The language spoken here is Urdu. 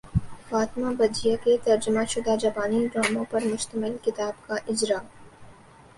فاطمہ بجیا کے ترجمہ شدہ جاپانی ڈراموں پر مشتمل کتاب کا اجراء